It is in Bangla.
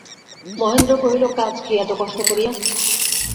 মহেন্দ্র কহিল, কাজ কী এত কষ্ট করিয়া।